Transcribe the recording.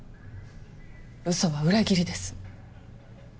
ウソは裏切りです。